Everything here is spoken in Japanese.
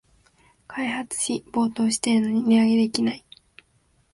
開発費暴騰してるのに値上げできない